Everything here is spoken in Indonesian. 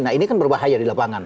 nah ini kan berbahaya di lapangan